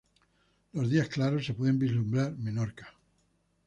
Los días claros se puede vislumbrar Menorca.